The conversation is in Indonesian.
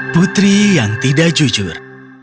putri yang tidak jujur